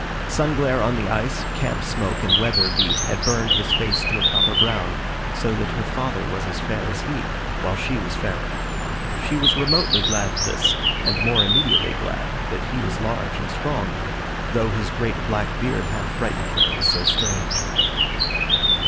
Sunglare on the ice, camp smoke, and weather beat had burned his face to a copper brown, so that her father was as fair as he, while she was fairer. She was remotely glad of this, and more immediately glad that he was large and strong, though his great black beard half frightened her, it was so strange.